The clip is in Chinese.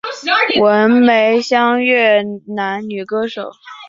文梅香越南女歌手。